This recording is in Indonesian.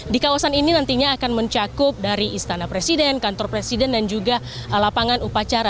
di kawasan ini nantinya akan mencakup dari istana presiden kantor presiden dan juga lapangan upacara